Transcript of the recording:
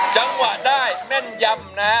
จังหวะใดนั่นย่ำนะ